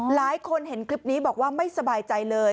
หลายคนเห็นคลิปนี้บอกว่าไม่สบายใจเลย